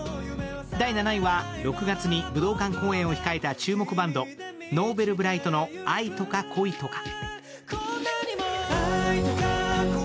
第７位は６月に武道館公演を控えた注目バンド、Ｎｏｖｅｌｂｒｉｇｈｔの「愛とか恋とか」。